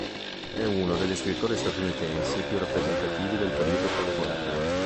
È uno degli scrittori statunitensi più rappresentativi del periodo fra le guerre.